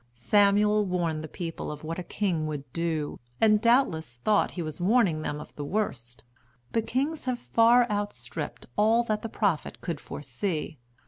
Samuel warned the people of what a king would do, and doubtless thought he was warning them of the worst, but kings have far outstripped all that the prophet could foresee.